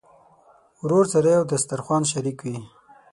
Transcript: ورور سره یو دسترخوان شریک وي.